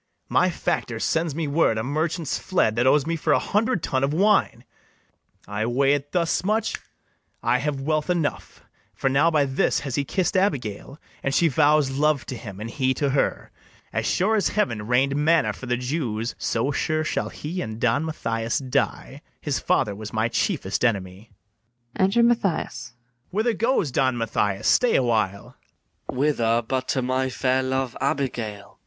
My factor sends me word a merchant's fled That owes me for a hundred tun of wine: I weigh it thus much[snapping his fingers]! I have wealth enough; For now by this has he kiss'd Abigail, And she vows love to him, and he to her. As sure as heaven rain'd manna for the Jews, So sure shall he and Don Mathias die: His father was my chiefest enemy. Enter MATHIAS. Whither goes Don Mathias? stay a while. MATHIAS. Whither, but to my fair love Abigail? BARABAS.